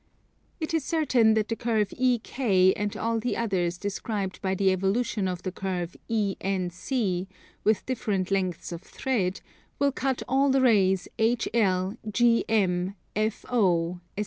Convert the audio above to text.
It is certain that the curve EK and all the others described by the evolution of the curve ENC, with different lengths of thread, will cut all the rays HL, GM, FO, etc.